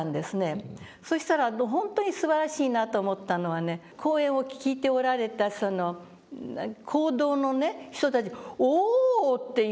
そしたら本当にすばらしいなと思ったのはね講演を聞いておられたその講堂の人たち「おおっ！」って言うんですよ。